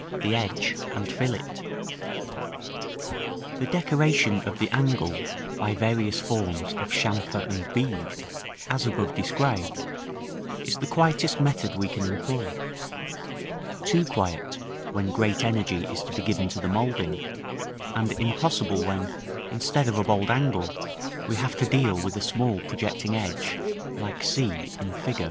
THE EDGE AND FILLET. § I. The decoration of the angle by various forms of chamfer and bead, as above described, is the quietest method we can employ; too quiet, when great energy is to be given to the moulding, and impossible, when, instead of a bold angle, we have to deal with a small projecting edge, like c in Fig.